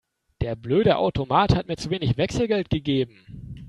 Der blöde Automat hat mir zu wenig Wechselgeld gegeben.